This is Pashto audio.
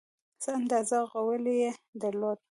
څه اندازه غولی یې درلود.